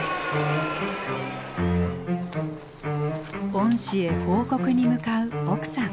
・恩師へ報告に向かう奥さん。